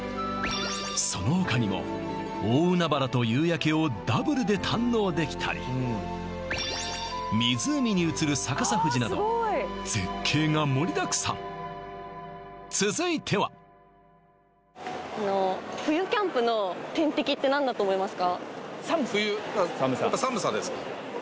その他にも大海原と夕焼けをダブルで堪能できたり湖に映る逆さ富士など絶景が盛りだくさん続いては冬キャンプの天敵って何だと思いますか？